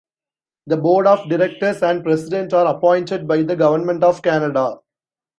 The board of directors and president are appointed by the Government of Canada.